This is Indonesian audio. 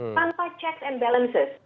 untuk membuat peraturan dan balanse